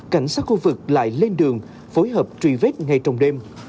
cảnh sát khu vực lại lên đường phối hợp truy vết ngay trong đêm